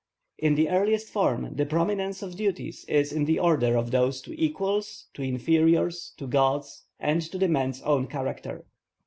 In the earliest form the prominence of duties is in the order of those to equals, to inferiors, to gods, and to the man's own character.